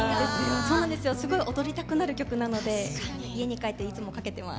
そうなんですよ、すごい踊りたくなる曲なので、家に帰っていつもかけてます。